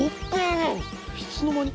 いつの間に。